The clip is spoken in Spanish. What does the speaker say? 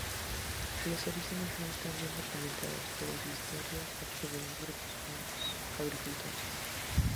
Los orígenes no están bien documentados, pero su historia parte de grupos humanos agricultores.